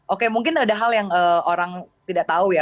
oke mungkin ada hal yang orang tidak tahu ya